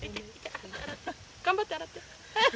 頑張って洗って。